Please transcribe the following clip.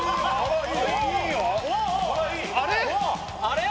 あれ？